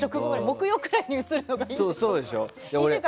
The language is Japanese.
木曜くらいに移すのがいいのかな。